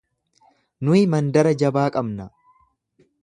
Nuyi mandara jabaa qabna.